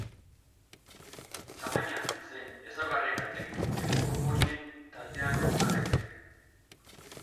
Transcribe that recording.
Tamaina zein ezaugarriengatik egungo ponien taldean koka daiteke.